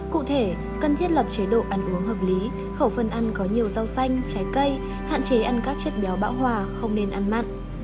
cụ thể cần thiết lập chế độ ăn uống hợp lý khẩu phân ăn có nhiều rau xanh trái cây hạn chế ăn các chất béo bão hòa không nên ăn mặn